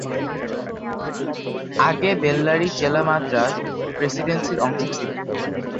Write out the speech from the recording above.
আগে বেল্লারী জেলা মাদ্রাজ প্রেসিডেন্সির অংশ ছিল।